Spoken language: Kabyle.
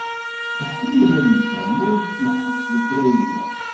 Iḥemmel ad yefhem u ad imeḥḥeṣ di kra yellan.